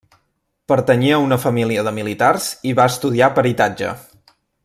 Pertanyia a una família de militars i va estudiar peritatge.